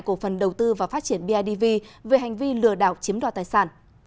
của phần đầu tư và phát triển bidv về hành vi lừa đảo chiếm đoạt tài sản